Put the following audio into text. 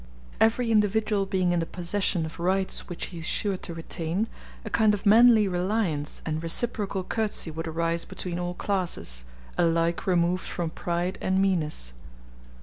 Every individual being in the possession of rights which he is sure to retain, a kind of manly reliance and reciprocal courtesy would arise between all classes, alike removed from pride and meanness.